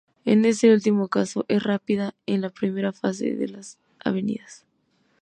En este último caso es más rápida en la primera fase de las avenidas.